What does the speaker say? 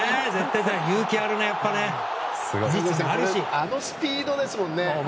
あのスピードですもんね。